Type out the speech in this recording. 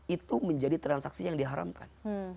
itu menjadi transaksi yang diharamkan